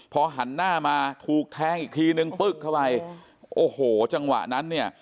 พอหันหน้ามาถูกแทงอีกทีนึงปึ๊กเข้าไปโอ้โหจังหวะนั้นเนี่ย